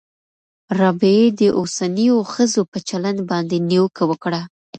رابعې د اوسنیو ښځو په چلند باندې نیوکه وکړه.